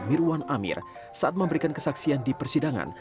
mirwan amir saat memberikan kesaksian di persidangan